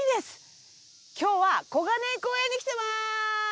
今日は小金井公園に来てます。